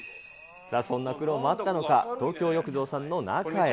そんな苦労もあったのか、東京浴場さんの中へ。